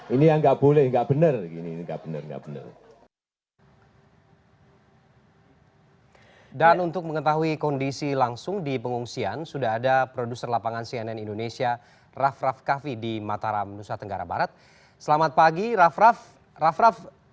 ini yang enggak boleh enggak benar ini enggak benar enggak benar